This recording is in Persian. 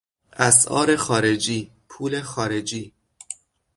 اسعار خارجی، پول خارجی